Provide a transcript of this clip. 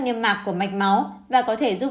nghiêm mạc của mạch máu và có thể giúp